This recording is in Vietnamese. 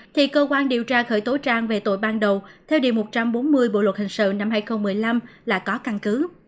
thì cơ quan điều tra khởi tố trang về tội ban đầu theo điều một trăm bốn mươi bộ luật hình sự năm hai nghìn một mươi năm là có căn cứ